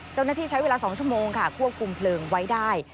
เจ้าหน้าที่ใช้เวลา๒ชั่วโมงค่ะควบคุมเพลิงไว้ได้